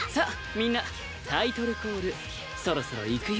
みんなタイトルコールそろそろいくよ